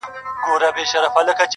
دا عجیب منظرکسي ده، وېره نه لري امامه؟